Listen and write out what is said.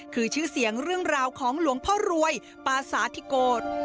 คือชื่อเสียงเรื่องราวของหลวงพ่อรวยปาสาธิโกรธ